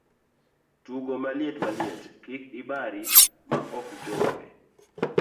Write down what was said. Tugo Maliet Maliet, kik ibari ma okichopo eeee!